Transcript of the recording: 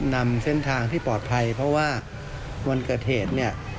นำเส้นทางที่ปลอดภัยเพราะว่าวันเกิดเหตุเนี่ย